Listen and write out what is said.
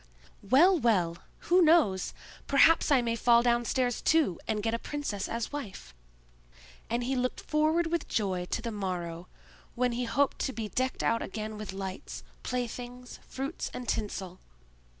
"Well, well! who knows, perhaps I may fall downstairs too, and get a princess as wife!" And he looked forward with joy to the morrow, when he hoped to be decked out again with lights, play things, fruits, and tinsel.